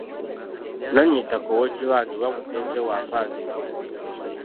Nannyini ttaka, ow’ekibanja oba omusenze bw’afa aziikibwa.